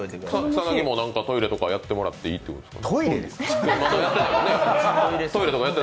草薙もトイレとかやってもらってもいいってことですか？